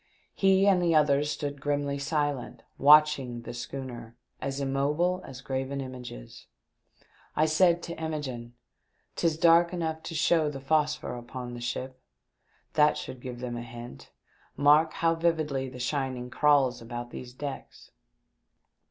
He and the others stood grimly silent watching the schooner, as immobile as graven images. I said to Imogene, "'Tis dark enough to show the phosphor upon the ship. That should give them a hint. Mark how vividly the shining crawls about these decks."